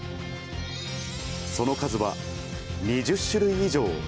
その数は２０種類以上。